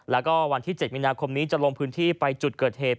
แล้วก็วันที่๗มีนาคมนี้จะลงพื้นที่ไปจุดเกิดเหตุ